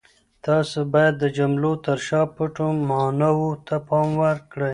تاسو باید د جملو تر شا پټو ماناوو ته پام وکړئ.